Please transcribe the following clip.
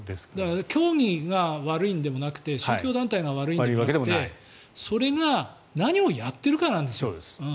教義が悪いんではなくて宗教団体が悪いんでもなくてそれが何をやっているかなんですよ。